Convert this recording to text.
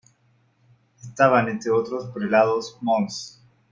Estaban entre otros prelados, Mons.